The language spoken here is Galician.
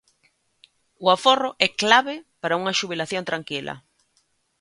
O aforro é clave para unha xubilación tranquila.